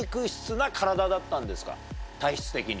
体質的に。